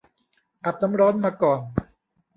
อาบน้ำร้อนมาก่อน